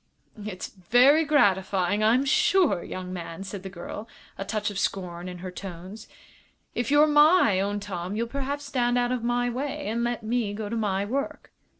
"It's very gratifying, I'm sure, young man," said the girl, a touch of scorn in her tones. "If you're my own Tom you'll perhaps stand out of my way and let me go to my work."